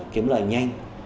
kiếm lời nhanh